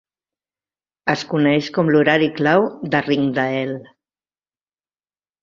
Es coneix com l'horari clau de Rijndael.